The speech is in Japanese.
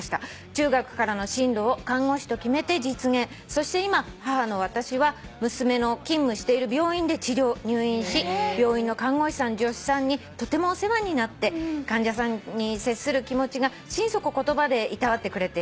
「中学からの進路を看護師と決めて実現」「そして今母の私は娘の勤務している病院で治療入院し病院の看護師さん助手さんにとてもお世話になって患者さんに接する気持ちが心底言葉でいたわってくれています」